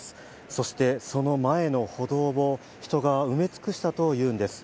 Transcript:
そしてその前の歩道を人が埋め尽くしたというんです。